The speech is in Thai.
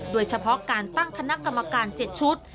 โดยเฉพาะการตั้งคณะกรรมการ๗ชุด